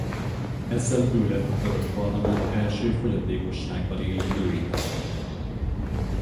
Ezzel ő lett a török parlament első fogyatékossággal élő női tagja.